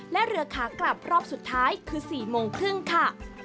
และเรือขากลับรอบสุดท้ายคือ๔โมงครึ่งค่ะ